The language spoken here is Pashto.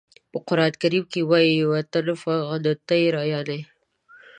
په قرآن کریم کې وایي "و تفقد الطیر" یانې.